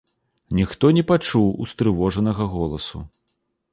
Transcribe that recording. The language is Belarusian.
Ніхто не пачуў устрывожанага голасу.